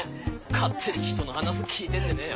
勝手に人の話聞いてんでねえよ。